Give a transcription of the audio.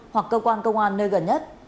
hoặc cơ quan công an nơi gần nhất